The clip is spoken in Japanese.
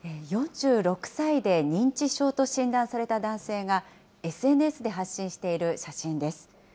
４６歳で認知症と診断された男性が、ＳＮＳで発信している写真です。